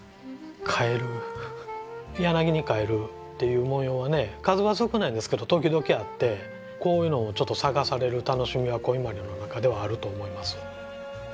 「柳に蛙」という模様はね数は少ないんですけど時々あってこういうのをちょっと探される楽しみは古伊万里の中ではあると思います。